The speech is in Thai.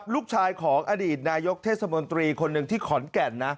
ลูกชายของอดีตนายกเทศมนตรีคนหนึ่งที่ขอนแก่นนะ